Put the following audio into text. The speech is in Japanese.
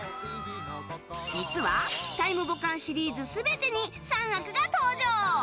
実は「タイムボカン」シリーズ全てに三悪が登場！